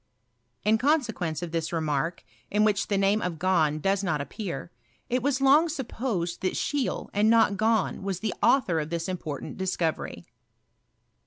In consequence of this re mark, in which the name of Gahn does not appear, it was long supposed thai Scheele, and not Gahn, was the author of this important discovery.